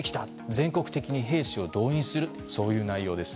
全国的に兵士を動員する、そういう内容です。